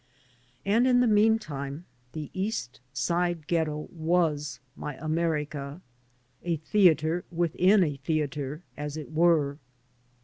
And in the mean time the East Side Ghetto was my America, a theater within a theater, as it were.